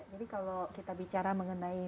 jadi kalau kita bicara mengenai